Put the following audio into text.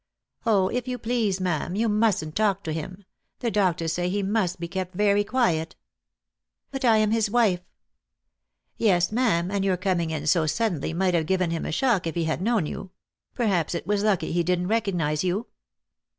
" Oh, if you please, ma'am, you mustn't talk to him. The doctors say he must be kept very quiet." «• But I am his wife " Lost for Love. 341 " Yes, ma'am, and your coming in so suddenly might have given him a shock if he had known you. Perhaps it was lucky he didn't recognise you."